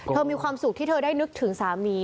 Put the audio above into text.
มีความสุขที่เธอได้นึกถึงสามี